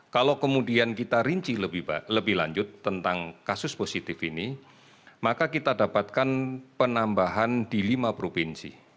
kalau kemudian kita rinci lebih lanjut tentang kasus positif ini maka kita dapatkan penambahan di lima provinsi